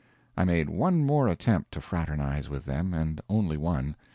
I made one more attempt to fraternize with them, and only one.